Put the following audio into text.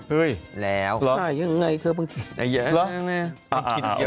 เฮ้ยเรายังไงเท้าบ้างที